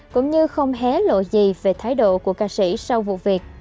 cũng như không hé lộ gì về thái độ của ca sĩ sau vụ việc